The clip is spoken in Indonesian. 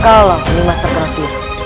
kalau nimas terkena siang